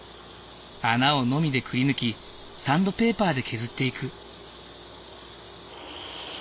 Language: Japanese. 穴をノミでくりぬきサンドペーパーで削っていく。